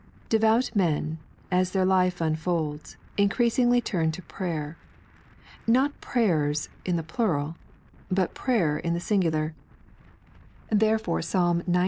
DEYOUT men, as their life unfolds, increaaiogly turn to prayer — not praj/ert in the plural, but prayer in the singular ; therefore Psalm xo.